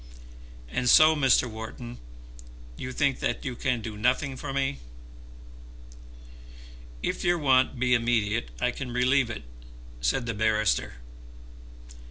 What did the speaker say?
And so, Mr. Wharton, you think that you can do nothing for me." "If your want be immediate I can relieve it," said the barrister.